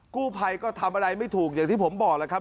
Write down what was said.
กู้ภัยก็ทำอะไรไม่ถูกอย่างที่ผมบอกแล้วครับ